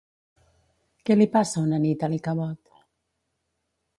Què li passa una nit a l'Ichabod?